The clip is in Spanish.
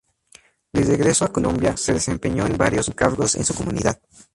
De regreso a Colombia se desempeñó en varios cargos en su comunidad.